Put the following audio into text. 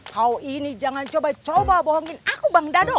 kau ini jangan coba coba bohongin aku bang dado